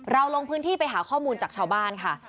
ลงพื้นที่ไปหาข้อมูลจากชาวบ้านค่ะ